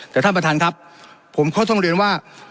แต่ท่านประธานครับผมเขาต้องเรียนว่า